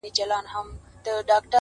ډوب سم جهاني غوندي له نوم سره-